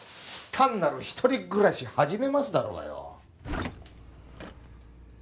単なる一人暮らし始めますだろうがよ。